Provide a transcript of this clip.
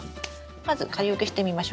まず仮置きしてみましょうか。